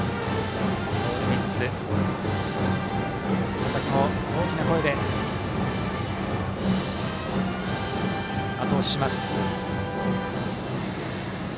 佐々木も大きな声であと押しします。